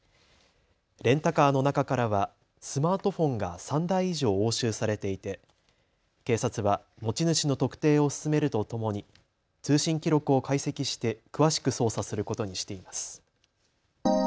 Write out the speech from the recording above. レンタカーの中からはスマートフォンが３台以上押収されていて警察は持ち主の特定を進めるとともに通信記録を解析して詳しく捜査することにしています。